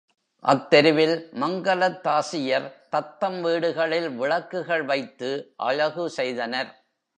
அத்தெருவில் மங்கலத்தாசியர் தத்தம் வீடுகளில் விளக்குகள் வைத்து அழகு செய்தனர்.